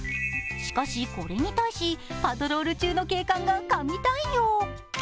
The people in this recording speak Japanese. しかし、これに対しパトロール中の警官が神対応。